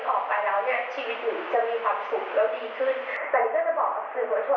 ต่อปันที่นี้นิ้งจะไม่นิ้งจะ